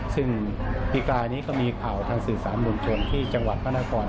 ซึ่งปีกายนี้ก็มีข่าวทางสื่อสารมวลชนที่จังหวัดพระนคร